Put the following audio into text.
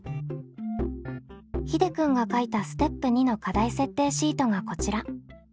ひでくんが書いたステップ２の課題設定シートがこちら。